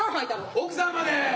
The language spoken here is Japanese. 奥さんまで。